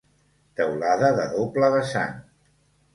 Teulada de doble vessant.